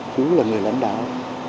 chú là người lãnh đạo